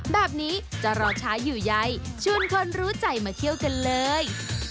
แบบนี้จะรอช้าอยู่ใยชวนคนรู้ใจมาเที่ยวกันเลย